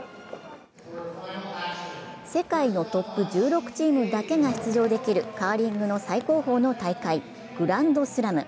世界のトップ１６チームだけが出場できるカーリングの最高峰の大会グランドスラム。